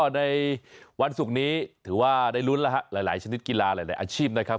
ในวันศุกร์นี้ถือว่าได้ลุ้นแล้วฮะหลายชนิดกีฬาหลายอาชีพนะครับ